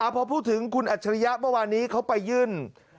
พอพูดถึงคุณอัจฉริยะเมื่อวานนี้เขาไปยื่น